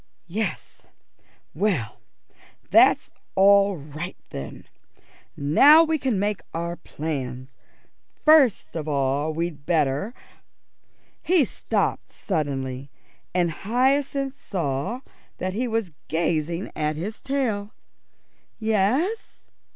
"Yes, well, that's all right then. Now we can make our plans. First of all we'd better " He stopped suddenly, and Hyacinth saw that he was gazing at his tail. "Yes?"